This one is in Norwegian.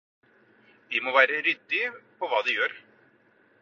De må være ryddige på hva de gjør.